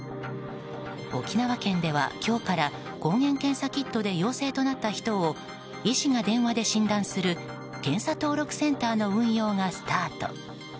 沖縄県では今日から抗原検査キットで陽性となった人を医師が電話で診断する検査登録センターの運用がスタート。